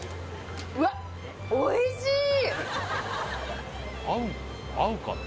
うわおいしい！